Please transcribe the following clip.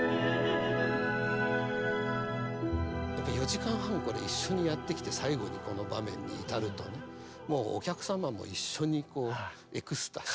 ４時間半これ一緒にやってきて最後にこの場面に至るとねもうお客様も一緒にこうエクスタシー。